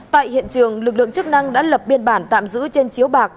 tại hiện trường lực lượng chức năng đã lập biên bản tạm giữ trên chiếu bạc